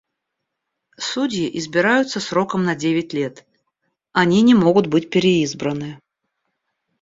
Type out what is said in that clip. Судьи избираются сроком на девять лет. Они не могут быть переизбраны.